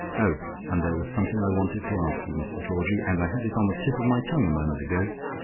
Oh, and there was something I wanted to ask you, Mr Georgie, and I had it on the tip of my tongue a moment ago.